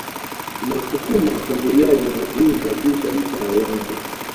inawasukuma washambuliaji na winga juu kabisa ya uwanja